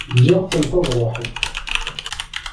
Ǧǧiɣ-tent ad ruḥent.